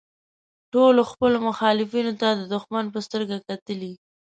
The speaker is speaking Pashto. ټولو خپلو مخالفینو ته د دوښمن په سترګه کتلي.